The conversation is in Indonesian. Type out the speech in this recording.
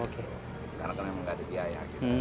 karena kan memang nggak ada biaya